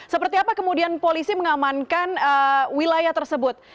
seperti apa kemudian polisi mengamankan wilayah tersebut